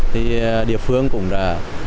thì địa phương cũng là